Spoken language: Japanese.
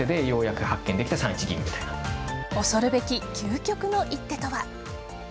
恐るべき究極の一手とは。